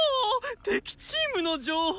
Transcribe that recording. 敵チームの情報！